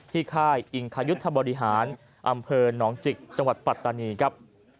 ค่ายอิงคยุทธบริหารอำเภอหนองจิกจังหวัดปัตตานีครับ